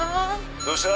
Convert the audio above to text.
どうした？